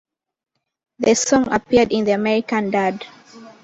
The song appeared in the American Dad!